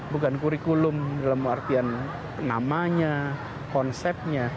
bukan kurikulum dalam artian namanya konsepnya